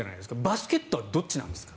バスケットはどっちなんですか？